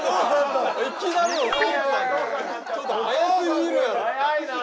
ちょっと早すぎるやろ！